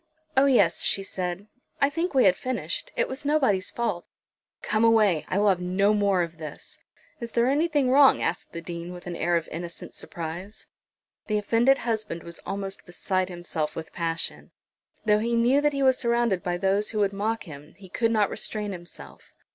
"Oh, yes," she said; "I think we had finished. It was nobody's fault." "Come away; I will have no more of this." "Is there anything wrong?" asked the Dean, with an air of innocent surprise. The offended husband was almost beside himself with passion. Though he knew that he was surrounded by those who would mock him he could not restrain himself.